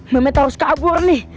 meme terus kabur nih